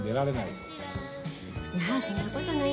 まぁそんなことない。